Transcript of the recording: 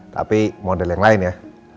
tapi model yang lain ya